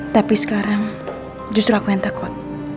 tapi sekarang justru aku yang takut